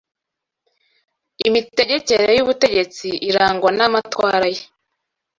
Imitegekere y’ubutegetsi irangwa n’amatwara ye